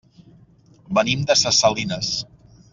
Venim de ses Salines.